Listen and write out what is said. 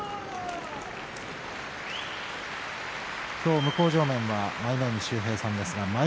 今日、向正面は舞の海秀平さんです。